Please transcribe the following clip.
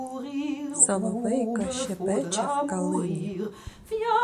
Соловейко щебече в калині.